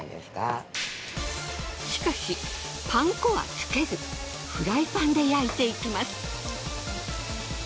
しかしパン粉はつけずフライパンで焼いていきます。